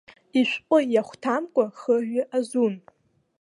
Ишәҟәы иахәҭамкәа хырҩа азун.